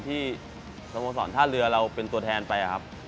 ที่สโมสรท่าเรือเราเป็นตัวแทนไปครับ